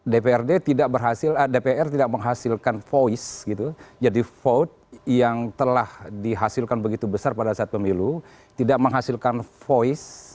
dprd tidak berhasil dpr tidak menghasilkan voice gitu jadi vote yang telah dihasilkan begitu besar pada saat pemilu tidak menghasilkan voice